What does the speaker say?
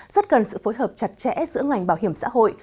rất cần sự phối hợp chặt chẽ giữa ngành bảo hiểm xã hội